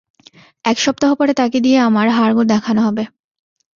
এক সপ্তাহ পরে তাকে দিয়ে আমার হাড়গোড় দেখান হবে।